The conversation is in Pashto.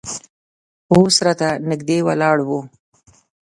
اوس راته نږدې ولاړ و.